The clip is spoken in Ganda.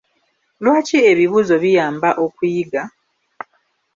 Lwaki ebibuuzo biyamba okuyiga?